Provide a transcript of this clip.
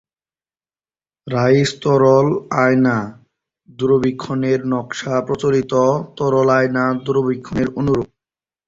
Rice তরল আয়না দূরবীক্ষণের নকশা প্রচলিত তরল আয়না দূরবীক্ষণের অনুরূপ।